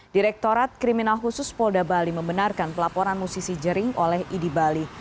direktorat kriminal khusus polda bali membenarkan pelaporan musisi jering oleh idi bali